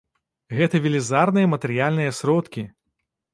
Гэта велізарныя матэрыяльныя сродкі!